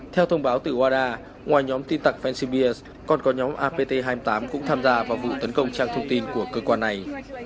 theo thông báo từ wada ngoài nhóm tin tặc fesbirs còn có nhóm apt hai mươi tám cũng tham gia vào vụ tấn công trang thông tin của cơ quan này